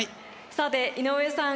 さて井上さん